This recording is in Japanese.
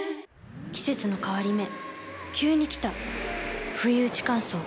季節の変わり目急に来たふいうち乾燥。